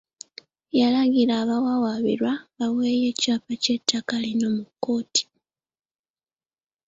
Yalagire abawawaabirwa baweeyo ekyapa ky'ettaka lino mu kkooti.